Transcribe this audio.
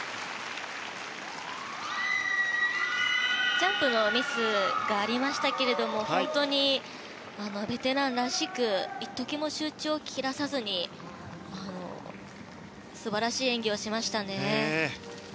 ジャンプのミスがありましたけど本当にベテランらしく一時も集中を切らさずに素晴らしい演技をしましたね。